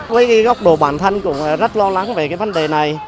với cái góc độ bản thân cũng rất lo lắng về cái vấn đề này